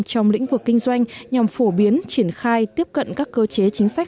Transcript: trong lĩnh vực kinh doanh nhằm phổ biến triển khai tiếp cận các cơ chế chính sách